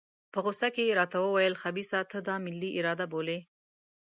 په غوسه کې یې راته وویل خبیثه ته دا ملي اراده بولې.